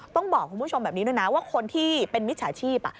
ต้องบอกคุณผู้ชมแบบนี้ด้วยนะว่าคนที่เป็นมิจฉาชีพ